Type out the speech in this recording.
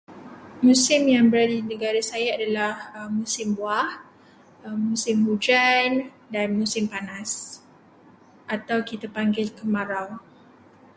Musim yang ada di negara saya adalah musim buah, musim hujan dan musim panas atau kita panggil kemarau.